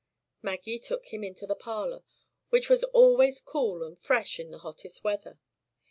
Maggie took him into the parlor, which was always cool and fresh in the hottest weather.